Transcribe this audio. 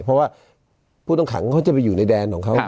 เพราะว่าผู้ต้องขังเขาจะไปอยู่ในแดนของเขา